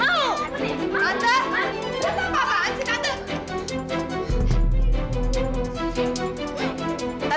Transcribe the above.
tante tante apaan sih tante